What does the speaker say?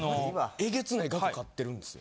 えげつない額買ってるんですよ。